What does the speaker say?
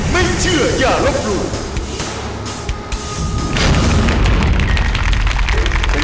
ไม่เชื่ออย่ารบรู้